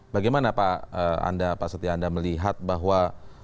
bagaimana pak setia anda melihat bahwa